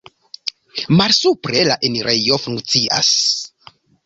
Malsupre la enirejo funkcias.